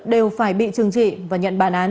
đều phải bị trừng trị và nhận bàn án